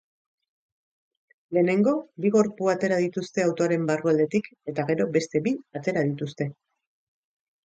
Lehenengo bi gorpu atera dituzte autoaren barrualdetik eta gero beste bi atera dituzte.